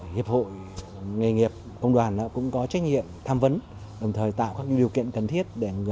hiệp hội nghề nghiệp công đoàn cũng có trách nhiệm tham vấn đồng thời tạo các điều kiện cần thiết để người